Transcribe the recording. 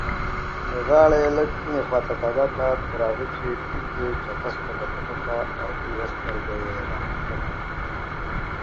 He has written for television and made appearances on television.